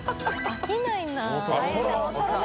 飽きないな。